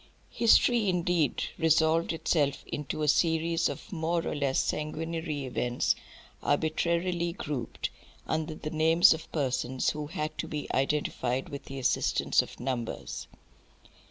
History indeed resolved itself into a series of more or less sanguinary events arbitrarily grouped under the names of persons who had to be identified with the assistance of numbers.